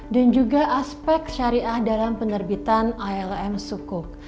dan juga aspek syariah dalam penerbitan ilm sukuk